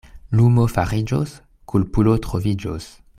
Lumo fariĝos, kulpulo troviĝos.